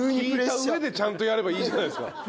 聞いた上でちゃんとやればいいじゃないですか。